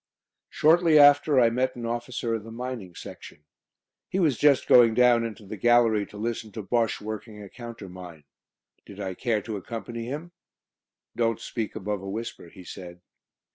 Shortly after I met an officer of the Mining Section. He was just going down into the gallery to listen to Bosche working a counter mine. Did I care to accompany him? "Don't speak above a whisper," he said.